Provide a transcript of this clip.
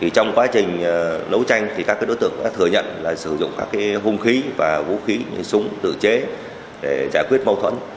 trong quá trình đấu tranh các đối tượng đã thừa nhận sử dụng các hung khí và vũ khí súng tự chế để giải quyết mâu thuẫn